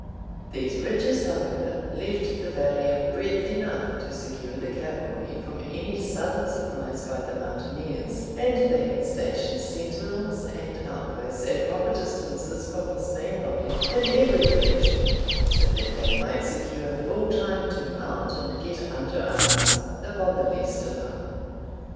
These ridges, however, left the valley of breadth enough to secure the cavalry from any sudden surprise by the mountaineers and they had stationed sentinels and outposts at proper distances from this main body, in every direction, so that they might secure full time to mount and get under arms upon the least alarm.